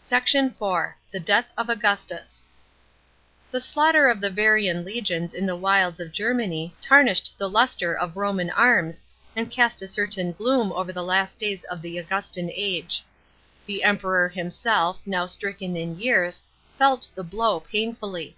SECT. IV. — THE DEATH OF AUGUSTUS. § 12. The slaughter of the Varian legions in the wilds of Germany tarnished the lustre of Roman arms, and cast a certain gloom over the last days of the Augustan age. The Emperor himself, now stricken in years, felt the blow painfully.